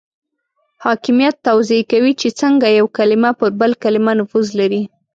حاکمیت توضیح کوي چې څنګه یو کلمه پر بل کلمه نفوذ لري.